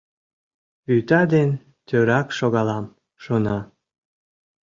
Вӱта ден тӧрак шогалам, шона.